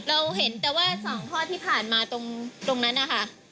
เราเห็นแต่ว่า๒ข้อที่ผ่านมาตรงนั้นนะคะ